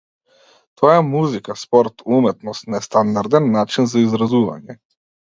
Тоа е музика, спорт, уметност, нестандарден начин за изразување.